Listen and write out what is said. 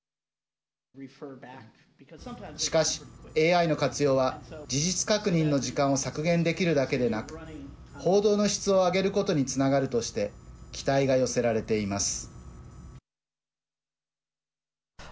しかし、ＡＩの活用は事実確認の時間を削減できるだけでなく報道の質を上げることにつながるとして期待が寄せられています。